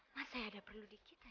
mas saya ada perlu dikit aja boleh kan